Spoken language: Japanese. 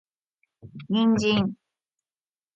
人参